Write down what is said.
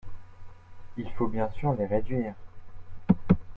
Il faut bien sûr les réduire.